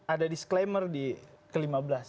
ada disclaimer di ke lima belas